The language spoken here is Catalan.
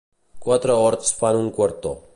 Quatre horts fan un quartó.